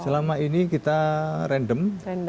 selama ini kita random